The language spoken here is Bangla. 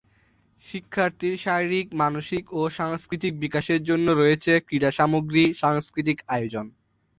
শিক্ষার্থীর শারীরিক, মানসিক ও সাংস্কৃতিক বিকাশের জন্য রয়েছে ক্রীড়া সামগ্রী, সাংস্কৃতিক আয়োজন।